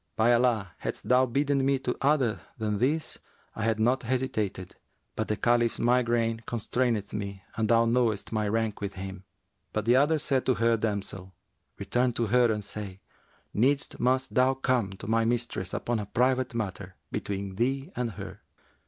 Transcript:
By Allah, hadst thou bidden me to other than this, I had not hesitated; but the Caliph's migraine constraineth me and thou knowest my rank with him.' But the other said to her damsel, 'Return to her and say, 'Needs must thou come to my mistress upon a private matter between thee and her!'